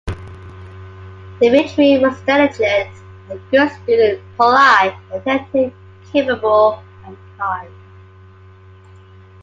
Dmitry was a diligent and good student, polite and attentive, capable and kind.